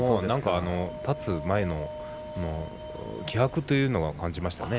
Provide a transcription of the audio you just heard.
立つ前の気迫というのを感じましたね。